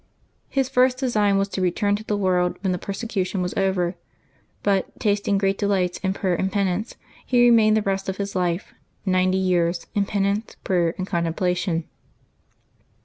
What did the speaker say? His first design was to return to the world when the persecution was over; but, tasting great delights in prayer and penance, he remained the rest of his life, ninety years, in penance, prayer, and contempla tion.